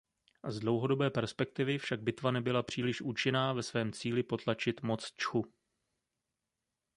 Z dlouhodobé perspektivy však bitva nebyla příliš účinná ve svém cíli potlačit moc Čchu.